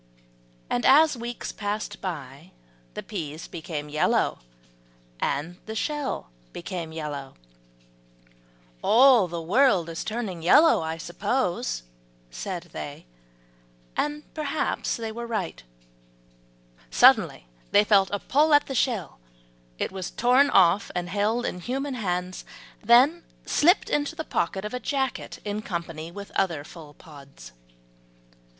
And as weeks passed by, the peas became yellow, and the shell became yellow. "All the world is turning yellow, I suppose," said they, and perhaps they were right. Suddenly they felt a pull at the shell; it was torn off, and held in human hands, then slipped into the pocket of a jacket in company with other full pods.